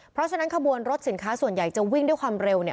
เพราะฉะนั้นขบวนรถสินค้าส่วนใหญ่จะวิ่งด้วยความเร็วเนี่ย